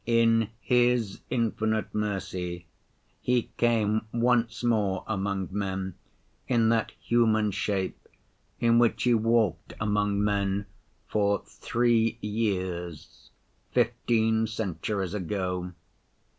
In His infinite mercy He came once more among men in that human shape in which He walked among men for three years fifteen centuries ago.